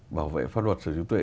bảo vệ pháp luật sở hữu trí tuệ